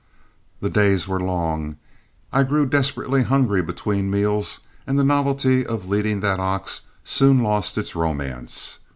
The days were long, I grew desperately hungry between meals, and the novelty of leading that ox soon lost its romance.